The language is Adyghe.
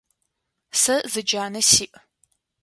Сэ зы джанэ сиӏ.